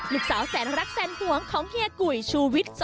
ลูกสาวแสนรักแสนห่วงของเฮียกุยชูวิทย์๒